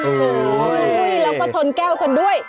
แล้วก็ชนแก้วกันด้วย